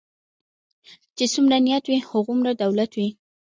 چی څومره نيت وي هغومره دولت وي .